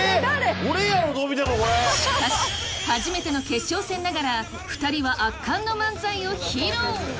しかし、初めての決勝戦ながら２人は圧巻の漫才を披露！